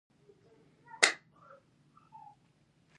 هغو درنو هېکرانو ته چې تخنيکي پوهه لري.